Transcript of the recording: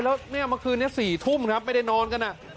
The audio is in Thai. แล้วเนี่ยเมื่อคืนนี้๔ทุ่มครับไม่ได้นอนกัน